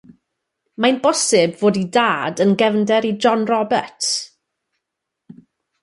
Mae'n bosib fod ei dad yn gefnder i John Roberts.